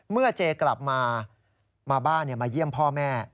เมื่อเจ๊กลับมาบ้านมาเยี่ยมพ่อแม่